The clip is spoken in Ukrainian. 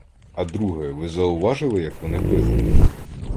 А друге, ви зауважили, як вони били?